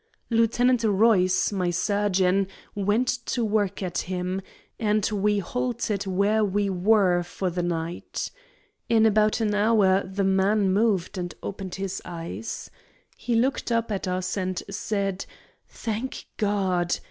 Lieutenant Royce, my surgeon, went to work at him, and we halted where we were for the night. In about an hour the man moved and opened his eyes. He looked up at us and said, 'Thank God!'